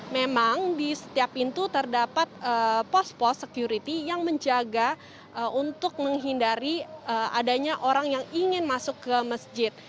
memang di setiap pintu terdapat pos pos security yang menjaga untuk menghindari adanya orang yang ingin masuk ke masjid